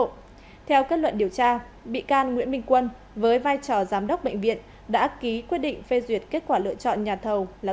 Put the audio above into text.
công an tp hcm đã đề nghị truy tố bị can nguyễn minh quân cựu giám đốc bệnh viện tp thủ đức về tội nhận hối lộ